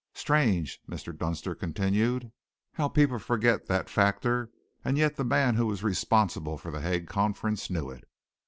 Strange," Mr. Dunster continued, "how people forget that factor, and yet the man who was responsible for The Hague Conference knew it.